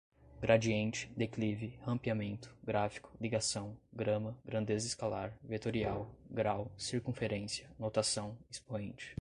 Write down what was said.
gradiente, declive, rampeamento, gráfico, ligação, grama, grandeza escalar, vetorial, grau, circunferência, notação, expoente